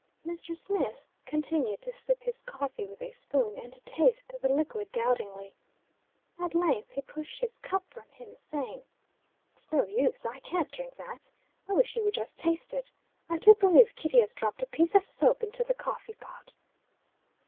Mr. Smith continued to sip his coffee with a spoon, and to taste the liquid doubtingly. At length he pushed his cup from him, saying: "It's no use; I can't drink that! I wish you would just taste it. I do believe Kitty has dropped a piece of soap into the coffee pot."